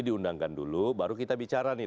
diundangkan dulu baru kita bicara nih